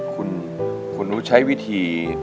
คุณรู้ใช้วิธี